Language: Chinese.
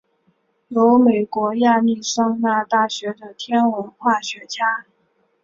由美国亚利桑那大学的天文化学家。